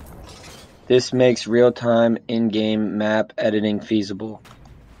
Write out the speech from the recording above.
This makes realtime in-game map editing feasible.